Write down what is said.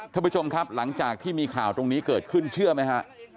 ท่านผู้ชมครับหลังจากที่มีข่าวตรงนี้เกิดขึ้นเชื่อไหมฮะ